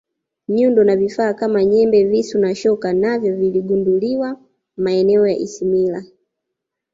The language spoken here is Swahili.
nyundo na vifaa Kama nyembe visu na shoka navyo viligunduliwa maeneo ya ismila